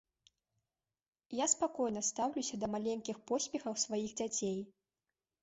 Я спакойна стаўлюся да маленькіх поспехаў сваіх дзяцей.